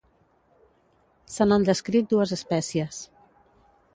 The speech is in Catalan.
Se n'han descrit dues espècies.